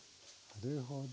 なるほど。